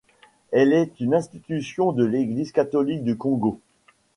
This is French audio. Elle est une institution de l'Église catholique du Congo.